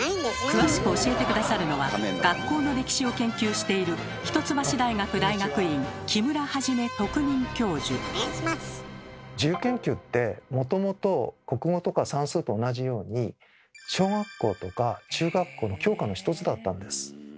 詳しく教えて下さるのは学校の歴史を研究している自由研究ってもともと国語とか算数と同じように小学校とか中学校の教科の１つだったんです。